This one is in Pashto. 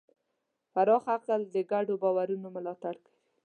پراخ عقل د ګډو باورونو ملاتړ کوي.